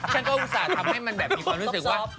ฉันก็อุตส่าห์ทำให้มันแบบมีความรู้สึกว่า